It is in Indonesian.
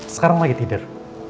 sekarang lagi tidur